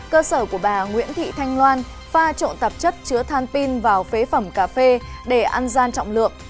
cơ sở của bà nguyễn thị thanh loan pha trộn tạp chất chứa than pin vào phế phẩm cà phê để ăn gian trọng lượng